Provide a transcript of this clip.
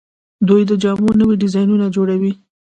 دوی د جامو نوي ډیزاینونه جوړوي.